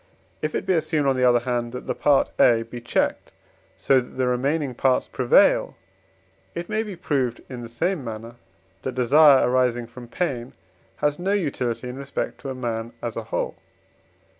If it be assumed, on the other hand, that the part, A, be checked so that the remaining parts prevail, it may be proved in the same manner that desire arising from pain has no utility in respect to a man as a whole.